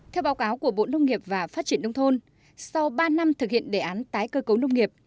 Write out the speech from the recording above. theo báo cáo của bộ nông nghiệp và phát triển nông thôn sau ba năm thực hiện đề án tái cơ cấu nông nghiệp